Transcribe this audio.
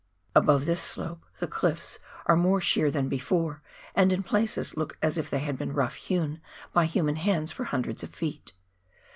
Above this slope the cliffs are more sheer than before, and in places look as if they had been rough hewn by human hands for hundreds of feet.